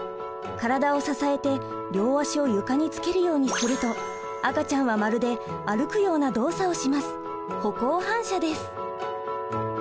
体を支えて両足を床につけるようにすると赤ちゃんはまるで歩くような動作をします。